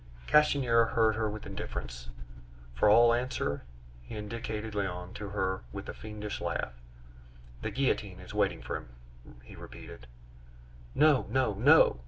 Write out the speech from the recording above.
Castanier heard her with indifference. For all answer, he indicated Léon to her with a fiendish laugh. "The guillotine is waiting for him," he repeated. "No, no, no!